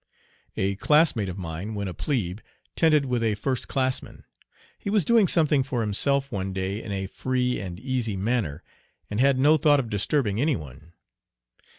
A classmate of mine, when a plebe, tented with a first classman. He was doing something for himself one day in a free and easy manner, and had no thought of disturbing any one.